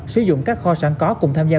sử dụng các kho sản có cùng tham gia